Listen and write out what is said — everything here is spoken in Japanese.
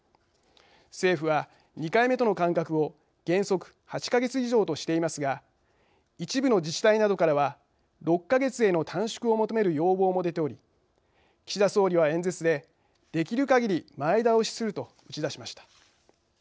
政府は２回目との間隔を原則８か月以上としていますが一部の自治体などからは６か月への短縮を求める要望も出ており岸田総理は演説でできるかぎり前倒しすると打ち出しました。